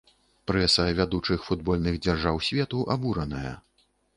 Прэса вядучых футбольных дзяржаў свету абураная.